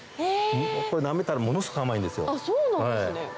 これなめたらものすごく甘いんですよ。